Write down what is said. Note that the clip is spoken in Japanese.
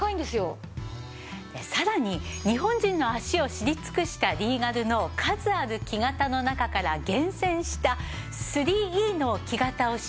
さらに日本人の足を知り尽くしたリーガルの数ある木型の中から厳選した３Ｅの木型を使用しています。